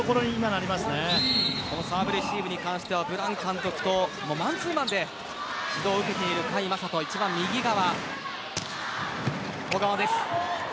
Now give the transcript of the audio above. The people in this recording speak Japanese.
サーブレシーブに関してはブラン監督とマンツーマンで指導を受けている甲斐優斗一番右側。